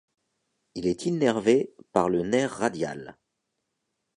Il est innervé par le nerf radial.